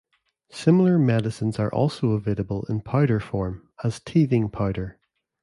Similar medicines are also available in powder form, as "teething powder".